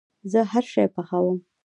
زه هرشی پخوم